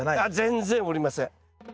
全然おりません。